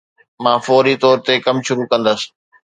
مان فوري طور تي ڪم شروع ڪندس